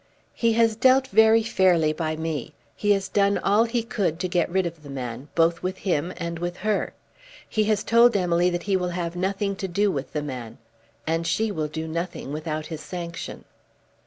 "He has dealt very fairly by me. He has done all he could to get rid of the man, both with him and with her. He has told Emily that he will have nothing to do with the man. And she will do nothing without his sanction."